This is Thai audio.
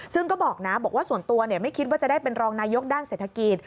ซึ่งก็บอกนะบอกว่าส่วนตัวไม่คิดว่าจะได้เป็นรองนายกด้านเศรษฐกิจ